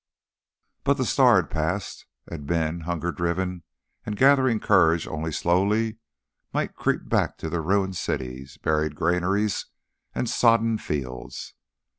But the star had passed, and men, hunger driven and gathering courage only slowly, might creep back to their ruined cities, buried granaries, and sodden fields.